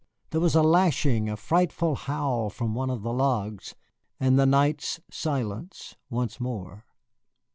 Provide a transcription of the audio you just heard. There was a lashing, a frightful howl from one of the logs, and the night's silence once more.